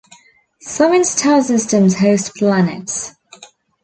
Seven star systems host planets.